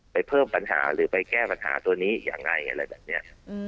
ไปเพิ่มปัญหาหรือไปแก้ปัญหาตัวนี้อย่างไร